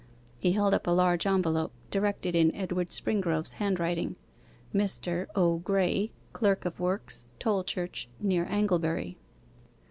He held up a large envelope, directed in Edward Springrove's handwriting: 'MR. O. GRAYE, CLERK OF WORKS, TOLCHURCH, NEAR ANGLEBURY.